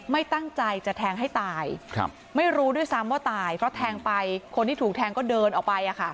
ไม่ตั้งใจจะแทงให้ตายไม่รู้ด้วยซ้ำว่าตายเพราะแทงไปคนที่ถูกแทงก็เดินออกไป